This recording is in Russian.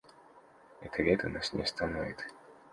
Это вето нас не остановит.